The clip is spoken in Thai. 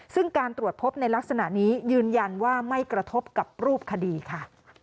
ซึ่งการตรวจพบในลักษณะนี้ยืนยันว่าไม่กระทบกับรูปคดีค่ะ